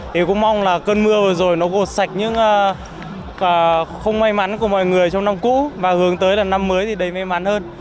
thì cũng mong là cơn mưa vừa rồi nó gột sạch những không may mắn của mọi người trong năm cũ và hướng tới là năm mới thì đầy may mắn hơn